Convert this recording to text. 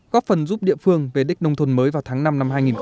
góp phần giúp địa phương về đích nông thôn mới vào tháng năm năm hai nghìn hai mươi